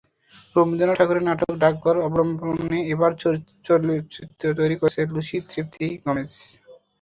রবীন্দ্রনাথ ঠাকুরের নাটক ডাকঘর অবলম্বনে এবার চলচ্চিত্র তৈরি করছেন লুসি তৃপ্তি গোমেজ।